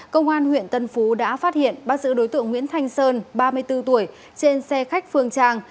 công an huyện tân phú đã phát hiện bắt giữ đối tượng nguyễn thanh sơn ba mươi bốn tuổi trên xe khách phương trang